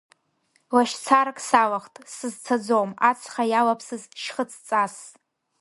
Лашьцарак салахт, сызцаӡом, ацха иалаԥсыз шьхыцҵас…